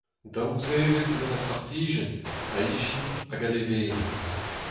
Daou zevezh leun a startijenn, a ijin hag a levenez.